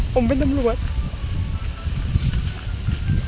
ผมเป็นตำรวจ